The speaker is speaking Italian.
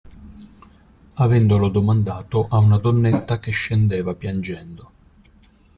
Avendolo domandato a una donnetta che scendeva piangendo.